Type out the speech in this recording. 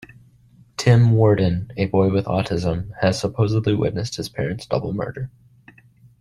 Tim Warden, a boy with autism, has supposedly witnessed his parents' double murder.